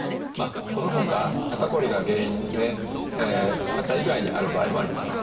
このほか肩こりが原因で肩以外にある場合もあります。